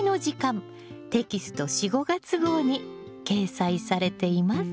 テキスト４・５月号に掲載されています。